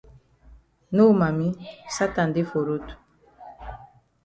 No mami Satan dey for road.